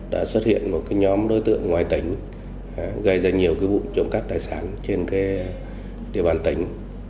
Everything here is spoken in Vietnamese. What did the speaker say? đã xuất hiện một nhóm đối tượng ngoài tỉnh gây ra nhiều vụ trộm cắp tài sản trên địa bàn tỉnh